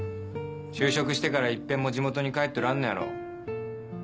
就職してから一遍も地元に帰っとらんのやろ。